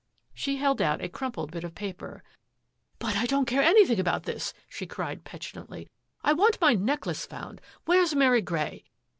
She held out a crumpled bit of paper. " But I don't care anything about this!" she cried petu lantly. " I want my necklace found. Where's Mary Grey?